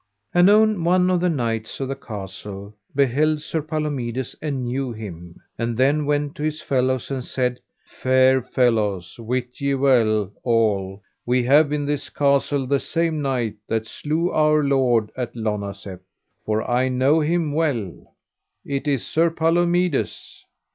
Anon one of the knights of the castle beheld Sir Palomides and knew him, and then went to his fellows and said: Fair fellows, wit ye well all, we have in this castle the same knight that slew our lord at Lonazep, for I know him well; it is Sir Palomides.